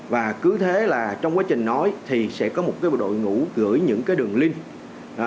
và cứ thế là trong quá trình nói thì sẽ có một cái đội ngũ gửi những cái đường link